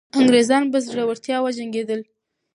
انګریزان په زړورتیا وجنګېدل.